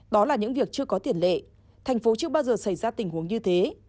đó là những việc chưa có tiền lệ thành phố chưa bao giờ xảy ra tình huống như thế